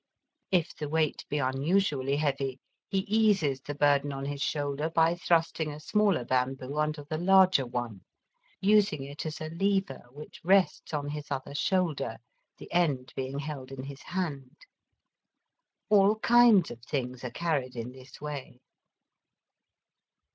If the weight be unusually heavy, he eases the burden on his shoulder by thrusting a smaller bamboo under the larger one, using it as a lever which rests on his other shoulder, the end being held in his hand. All kinds of things are carried in this way.